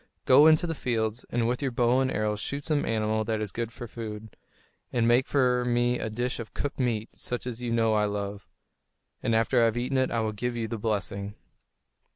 Go out into the fields, and with your bow and arrows shoot some animal that is good for food, and make for me a dish of cooked meat such as you know I love; and after I have eaten it I will give you the blessing."